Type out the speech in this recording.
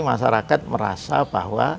masyarakat merasa bahwa